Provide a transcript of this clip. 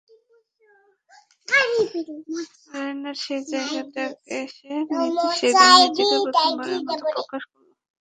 রমনার সেই জায়গাটাতে এসে নিতি সেদিন নিজেকে প্রথমবারের মতো প্রকাশ করল।